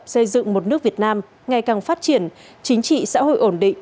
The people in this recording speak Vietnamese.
xây dựng một nước việt nam ngày càng phát triển chính trị xã hội ổn định